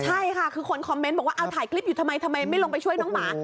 ใช่ค่ะคือคนคอมเมนต์บอกว่าเอาถ่ายคลิปอยู่ทำไมทำไมไม่ลงไปช่วยน้องหมา